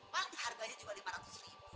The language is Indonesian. paling harganya juga rp lima ratus ribu